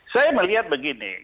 saya melihat begini